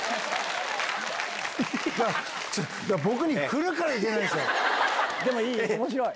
僕に振るからいけないんですでもいい、おもしろい。